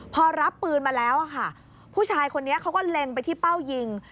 พอรับปืนมาแล้วค่ะผู้ชายคนนี้เขาก็เล็งไปที่เป้ายิง